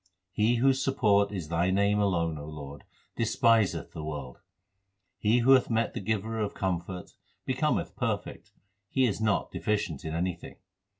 He whose support is Thy name alone, O Lord, despiseth the world. He who hath met the Giver of comfort, becometh perfect ; he is not deficient in anything.